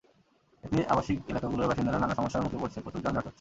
এতে আবাসিক এলাকাগুলোর বাসিন্দারা নানা সমস্যার মুখে পড়ছে, প্রচুর যানজট হচ্ছে।